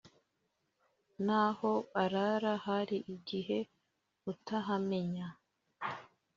naho arara hari igihe utahamenya